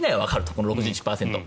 この６１％。